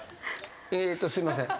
えーっとすいません。